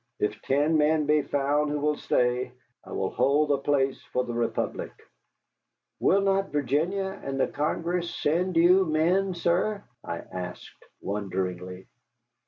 If ten men be found who will stay, I will hold the place for the Republic." "Will not Virginia and the Congress send you men, sir?" I asked wonderingly.